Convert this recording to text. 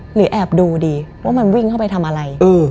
แอบดูดีว่ามันวิ่งเข้าไปทำอะไร